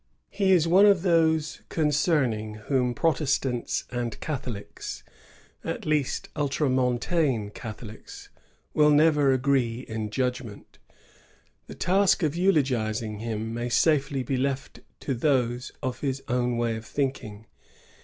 He is one of those concerning whom Protestants and Catholics, at least ultramontane Catholics, will never agree in judgment. The task of eulogizing him may safely be left to those of his own way of thinking.